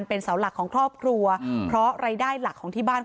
เพราะไม่เคยถามลูกสาวนะว่าไปทำธุรกิจแบบไหนอะไรยังไง